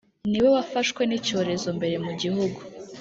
niwe wafashwe n’icyorezo mbere mu gihugu